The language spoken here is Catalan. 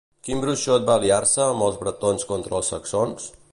Quin bruixot va aliar-se amb els bretons contra els saxons?